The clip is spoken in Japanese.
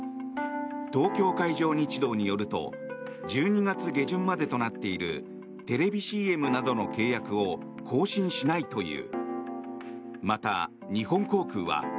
東京海上日動によると１２月下旬までとなっているテレビＣＭなどの契約を更新しないという。